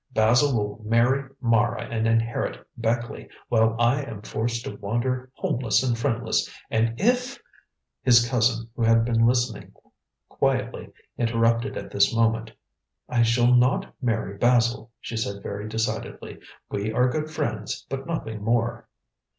Basil will marry Mara and inherit Beckleigh, while I am forced to wander homeless and friendless. And if " His cousin, who had been listening quietly, interrupted at this moment. "I shall not marry Basil," she said very decidedly. "We are good friends, but nothing more."